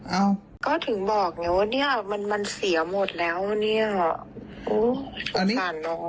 เอ้าก็ถึงบอกไงว่าเนี้ยมันมันเสียหมดแล้วเนี่ย